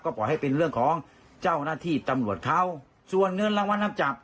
ปล่อยให้เป็นเรื่องของเจ้าหน้าที่ตำรวจเขาส่วนเงินรางวัลนำจับ